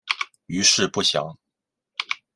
余事不详。